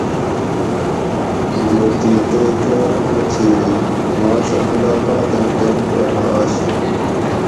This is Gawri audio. گٹی تے کاۤرونہ چھیری ماسہۤ مُلاقاتیں ٹیم پا نہ آشیں